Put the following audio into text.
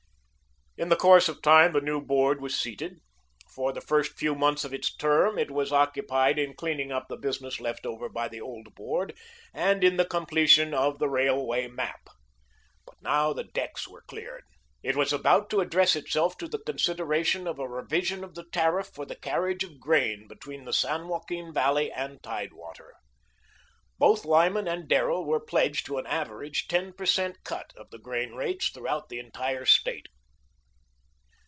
In the course of time, the new board was seated. For the first few months of its term, it was occupied in clearing up the business left over by the old board and in the completion of the railway map. But now, the decks were cleared. It was about to address itself to the consideration of a revision of the tariff for the carriage of grain between the San Joaquin Valley and tide water. Both Lyman and Darrell were pledged to an average ten per cent. cut of the grain rates throughout the entire State.